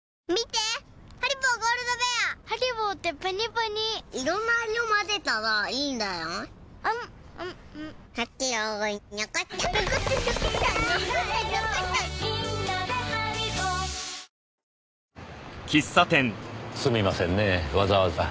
ぷはーっすみませんねぇわざわざ。